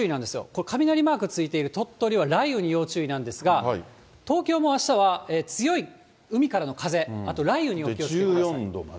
これ、雷マークついている鳥取は雷雨に要注意なんですが、東京もあしたは強い海からの風、１４度までしか上がらない。